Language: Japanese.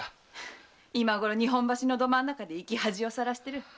今ごろ日本橋のど真ん中で生き恥をさらしてる。